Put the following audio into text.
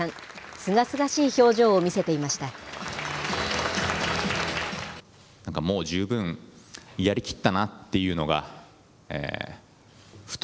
すがすがしい表情を見せていました。